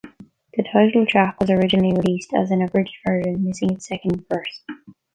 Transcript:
The title track was originally released as an abridged version, missing its second verse.